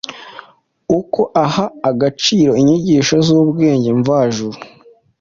Uko aha agaciro inyigisho z’ubwenge mvajuru,